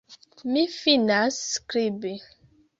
Mi finas skribi.